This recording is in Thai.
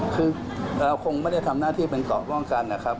คือเราคงไม่ได้ทำหน้าที่เป็นเกาะป้องกันนะครับ